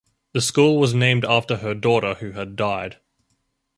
The school was named after her daughter who had died.